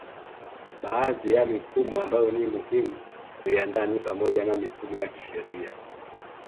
Baadhi ya mifumo ambayo ni muhimu kuiandaa ni pamoja na mifumo ya kisheria